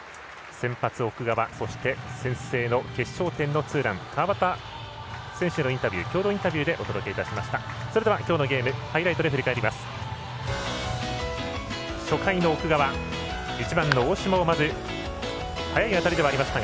先発奥川、先制決勝点の川端選手へのインタビュー共同インタビューでお伝えいたしました。